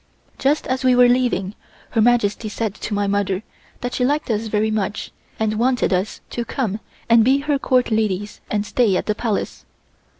Just as we were leaving, Her Majesty said to my mother that she liked us very much and wanted us to come and be her Court ladies and stay at the Palace.